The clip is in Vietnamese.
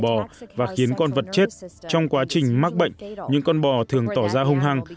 bò và khiến con vật chết trong quá trình mắc bệnh những con bò thường tỏ ra hung hăng